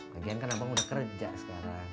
lagian kan abang udah kerja sekarang